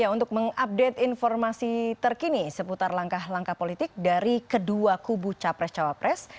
untuk mengupdate informasi terkini seputar langkah langkah politik dari kedua kubu capres cawapres